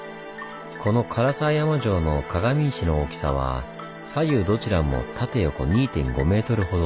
この唐沢山城の鏡石の大きさは左右どちらも縦横２．５メートルほど。